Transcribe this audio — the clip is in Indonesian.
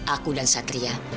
aku dan satria